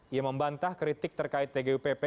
ia membantah kritik terkait tgupp